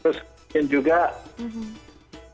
terus kita juga melakukan laporan